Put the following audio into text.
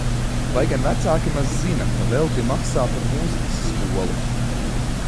Vai gan vecāki maz zina, ka velti maksā par mūzikas skolu?